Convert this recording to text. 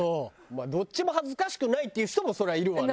まあどっちも恥ずかしくないっていう人もそりゃいるわね。